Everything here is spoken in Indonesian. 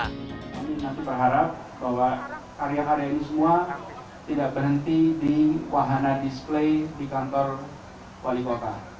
kami masih berharap bahwa karya karya ini semua tidak berhenti di wahana display di kantor wali kota